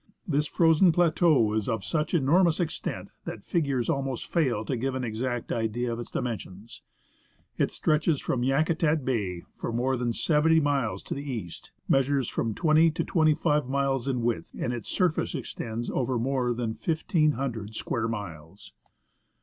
This frozen plateau is of such enormous extent that figures almost fail to give an exact idea of its dimensions. It stretches from Yakutat Bay for more than 70 miles to the east, measures from 20 to 25 miles in width, and its surface extends over 80 THE MALASPINA GLACIER more than 1,500 square miles.